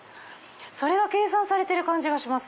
それが計算されてる感じがします。